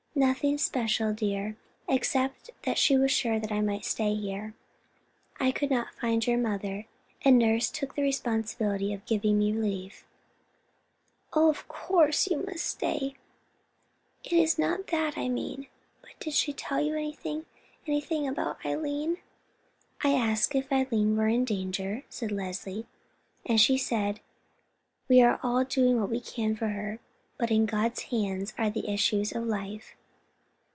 "Nothing special, dear, except that she was sure I might stay here. I could not find your mother, and nurse took the responsibility of giving me leave." "Oh, of course you may stay. It is not that I mean; but did she tell you anything—anything about Eileen?" "I asked her if Eileen were in danger," said Leslie, "and she said, 'We are doing all we can for her; but in God's hands are the issues of life.